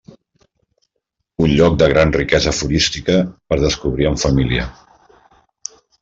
Un lloc de gran riquesa florística per descobrir en família.